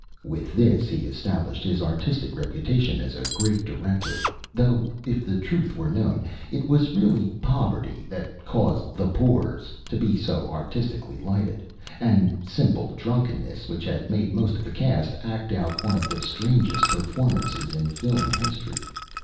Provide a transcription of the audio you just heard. With this he established his artistic reputation as a great director, though if the truth were known, it was really poverty that caused The Pores to be so artistically lighted, and simple drunkenness which had made most of the cast act out one of the strangest performances in film history.